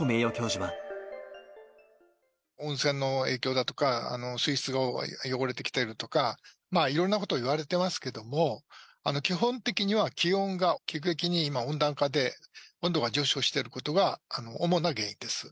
名温泉の影響だとか、水質が汚れてきているとか、いろんなことを言われてますけども、基本的には気温が急激に今、温暖化で温度が上昇していることが主な原因です。